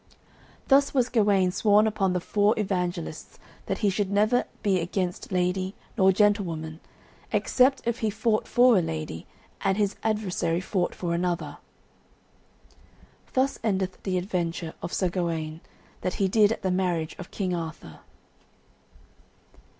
Thus was Gawaine sworn upon the four Evangelists that he should never be against lady nor gentlewoman, except if he fought for a lady and his adversary fought for another. Thus endeth the adventure of Sir Gawaine, that he did at the marriage of King Arthur.